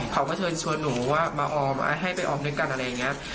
มาเชิญชวนหนูว่ามาออมให้ไปออมด้วยกันอะไรอย่างนี้